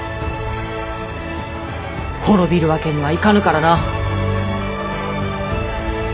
滅びるわけにはいかぬからな。